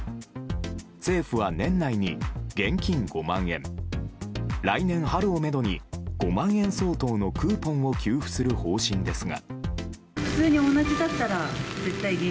政府は年内に現金５万円来年春をめどに５万円相当のクーポンを給付する方針ですが。